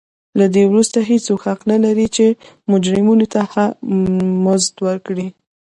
له دې وروسته هېڅوک حق نه لري چې مجرمینو ته مزد ورکړي.